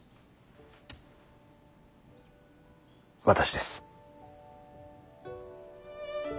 私です。